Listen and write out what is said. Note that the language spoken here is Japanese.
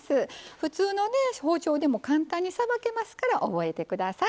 普通のね包丁でも簡単にさばけますから覚えて下さい。